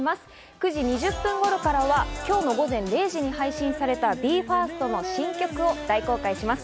９時２０分頃からは今日午前０時に配信されたＢＥ：ＦＩＲＳＴの新曲を大公開します。